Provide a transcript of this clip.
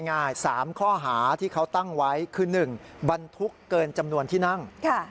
ง่าย๓ข้อหาที่เขาตั้งไว้คือ๑บรรทุกเกินจำนวนที่นั่ง